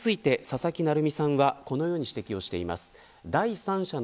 この行動について佐々木成三さんはこのように指摘しています。